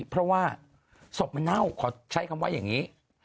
เพราะว่าศพมันเน่าขอใช้คำว่าอย่างนี้